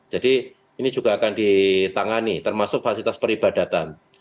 jadi ini juga akan ditangani termasuk fasilitas peribadatan